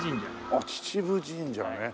あっ秩父神社ね。